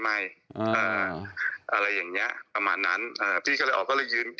ไม่อ่าอะไรอย่างเงี้ยประมาณนั้นเอ่อพี่ก็เลยออกก็เลยยืน